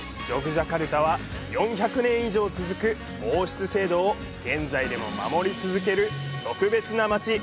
ジャカルタは４００年以上続く王室制度を現在でも守り続ける特別な街。